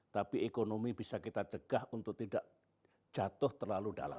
tapi ekonomi bisa kita cegah untuk tidak jatuh terlalu dalam